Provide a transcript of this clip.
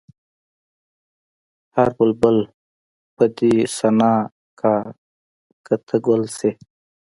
هر بلبل به دې ثنا کا که ته ګل شې.